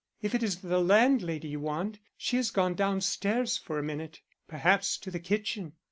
If it is the landlady you want, she has gone down stairs for a minute; perhaps, to the kitchen."